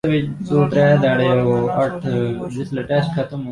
ضرورت مندوں کے بارے میں نہ سوچنے کی کوشش کرتا ہوں